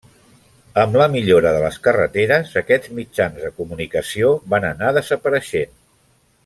Amb la millora de les carreteres aquests mitjans de comunicació van anar desapareixent.